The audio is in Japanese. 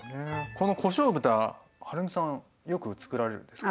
このこしょう豚はるみさんよくつくられるんですか？